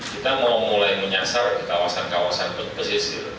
kita mau mulai menyasar di kawasan kawasan pesisir